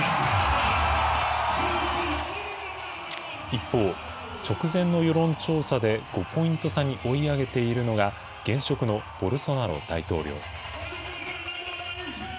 一方、直前の世論調査で５ポイント差に追い上げているのが、現職のボルソナロ大統領。